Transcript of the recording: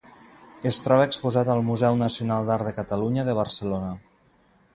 Es troba exposat al Museu Nacional d'Art de Catalunya de Barcelona.